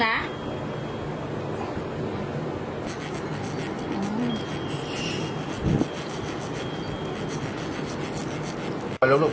มันจะเจ็บไง